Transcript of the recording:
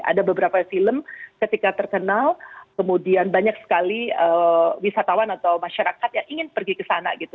ada beberapa film ketika terkenal kemudian banyak sekali wisatawan atau masyarakat yang ingin pergi ke sana gitu